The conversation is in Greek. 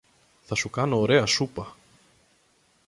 Θα σου κάνω ωραία σούπα.